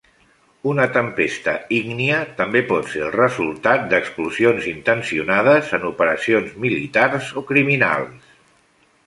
Una tempesta ígnia també pot ser el resultat d'explosions intencionades en operacions militars o criminals.